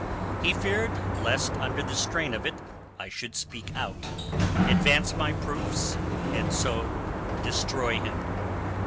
He feared lest under the strain of it I should speak out, advance my proofs, and so destroy him.